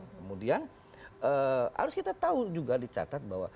kemudian harus kita tahu juga dicatat bahwa